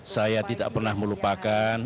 saya tidak pernah melupakan